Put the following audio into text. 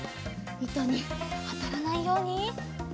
いとにあたらないように。